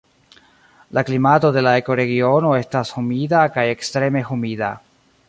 La klimato de la ekoregiono estas humida kaj ekstreme humida.